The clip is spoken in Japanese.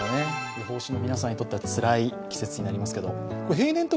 予報士の皆さんにとってはつらい季節になりますけど。